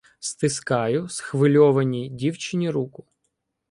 Стискаю схвильованій дівчині руку: